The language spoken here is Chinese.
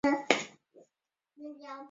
曷为先言王而后言正月？